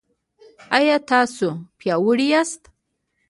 ایا تاسو پیاوړي یاست؟